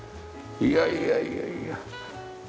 いやいやいやいや。